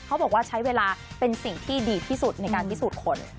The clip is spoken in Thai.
เขาบอกว่าใช้เวลาเป็นสิ่งที่ดีที่สุดในการพิสูจน์คน